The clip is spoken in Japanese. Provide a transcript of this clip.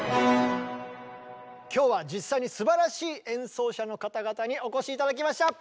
今日は実際にすばらしい演奏者の方々にお越し頂きました。